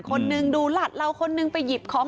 คนนึงดูหลัดเราคนนึงไปหยิบของ